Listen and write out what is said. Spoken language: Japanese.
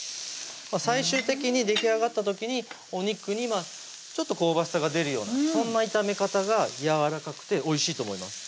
最終的にできあがった時にお肉にちょっと香ばしさが出るようなそんな炒め方がやわらかくておいしいと思います